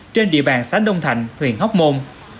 trên địa bàn xã đông thạnh huyện hốc môn